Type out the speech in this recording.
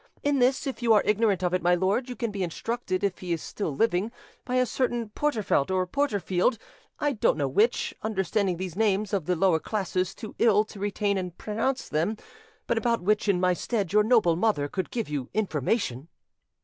In this, if you are ignorant of it, my lord, you can be instructed, if he is still living, by a certain. Porterfeld or Porterfield, I don't know which, understanding these names of the lower classes too ill to retain and pronounce them, but about which, in my stead, your noble mother could give you information."